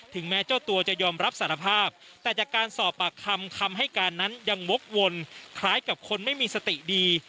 แม้เจ้าตัวจะยอมรับสารภาพแต่จากการสอบปากคำคำให้การนั้นยังวกวนคล้ายกับคนไม่มีสติดี